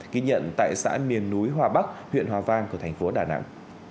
ghi nhận tại xã miền núi hòa bắc huyện hòa vang của thành phố đà nẵng